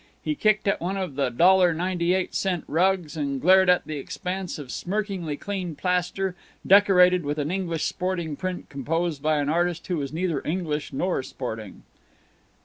He kicked at one of the dollar ninety eight cent rugs and glared at the expanse of smirkingly clean plaster, decorated with an English sporting print composed by an artist who was neither English nor sporting.